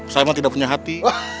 saya emang tidak punya hati